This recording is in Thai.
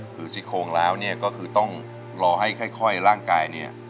คือซิกโค้งแล้วเนี่ยก็คือต้องรอให้ค่อยร่างกายเนี่ย